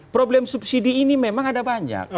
problem subsidi ini memang ada banyak